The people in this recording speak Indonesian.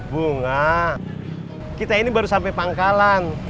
bunga kita ini baru sampai pangkalan